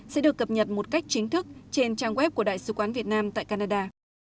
sẽ được cập nhật một cách chính thức trên trang web của đại sứ quán việt nam tại canada